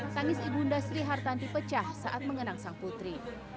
tangis ibunda sri hartanti pecah saat mengenang sang putri